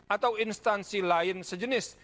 atau instansi lain sejenis